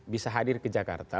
bisa hadir ke jakarta